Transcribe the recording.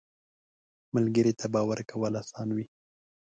ملګری ته باور کول اسانه وي